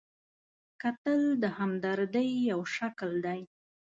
کتل د همدردۍ یو شکل دی